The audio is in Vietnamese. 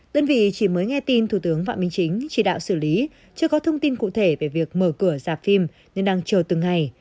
đơn vị chỉ mới nghe tin thủ tướng phạm minh chính chỉ đạo xử lý chưa có thông tin cụ thể về việc mở cửa dạp phim nên đang chờ từng ngày